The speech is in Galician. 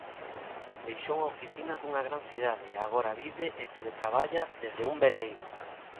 Deixou a oficina dunha gran cidade, e agora vive e teletraballa desde un veleiro.